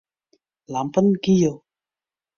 Lampen giel.